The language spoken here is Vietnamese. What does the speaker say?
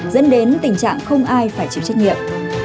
dẫn đến tình trạng không ai phải chịu trách nhiệm